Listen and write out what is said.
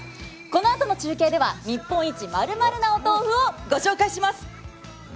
このあとの中継では日本一○○なお豆腐を御紹介します。